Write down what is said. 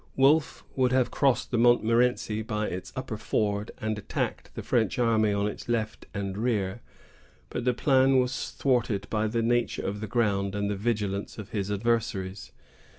Wolfe would have crossed the Montmorenci by its upper ford, and attacked the French army on its left and rear; but the plan was thwarted by the nature of the ground and the vigilance of his adversaries.